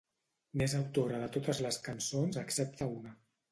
N'és autora de totes les cançons excepte una.